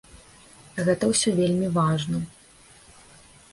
Гэта ўсё вельмі важна.